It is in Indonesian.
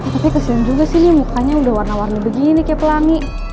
tapi kesian juga sih ini mukanya udah warna warna begini kayak pelangi